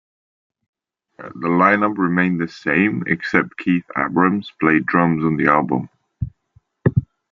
The lineup remained the same, except Keith Abrams played drums on the album.